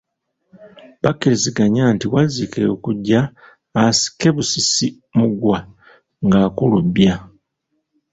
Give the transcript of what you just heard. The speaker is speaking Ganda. Bakkiriziganya nti Wazzike okujja asikebusisi muguwa ng’akulubya.